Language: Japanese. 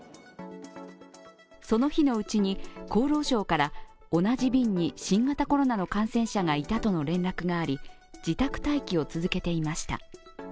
その日のうちに厚労省から同じ便に新型コロナの感染者がいたとの連絡があり自宅待機を続けていました。